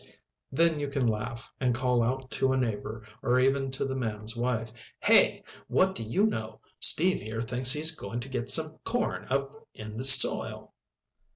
Then you can laugh, and call out to a neighbor, or even to the man's wife: "Hey, what do you know? Steve here thinks he's going to get some corn up in this soil!"